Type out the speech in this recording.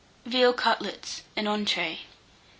VEAL CUTLETS (an Entree). 866.